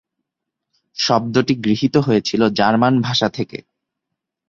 শব্দটি গৃহীত হয়েছিল জার্মান ভাষা থেকে।